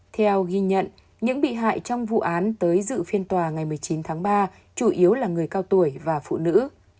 theo ghi nhận những bị hại trong vụ án tới dự phiên tòa ngày một mươi chín tháng ba chủ yếu là người cao tuổi và phụ nữ